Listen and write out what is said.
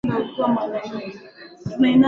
Hujawahi kuridhika na chochote unachopewa